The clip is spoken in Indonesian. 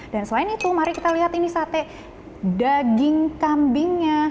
dan selain itu mari kita lihat ini sate daging kambingnya